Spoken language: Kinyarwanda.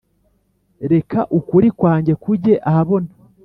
reka ukuri kwanjye kujye ahabona